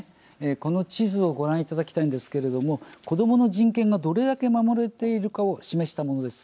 この地図をご覧いただきたいんですけれども子どもの人権がどれだけ守られているかを示したものです。